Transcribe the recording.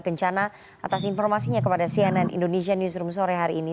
kencana atas informasinya kepada cnn indonesia newsroom sore hari ini